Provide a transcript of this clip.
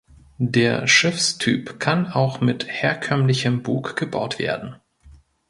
Der Schiffstyp kann auch mit herkömmlichem Bug gebaut werden.